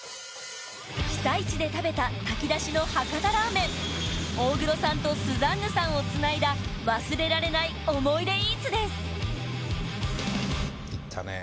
被災地で食べた炊き出しの博多ラーメン大黒さんとスザンヌさんを繋いだ忘れられないオモイデイーツです行ったね。